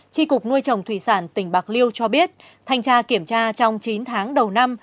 tri cục nuôi trồng thủy sản tỉnh bạc liêu cho biết thanh tra kiểm tra trong chín tháng đầu năm